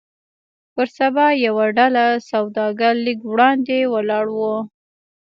پر سبا يوه ډله سوداګر لږ وړاندې ولاړ وو.